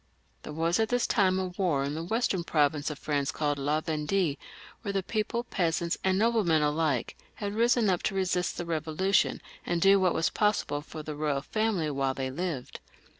There was at this time a war in a western province of France called La Vendue, where the people, peasants and noblemen alike, had risen np to resist the Bevolution, and do what was possible for the royal family while they lived.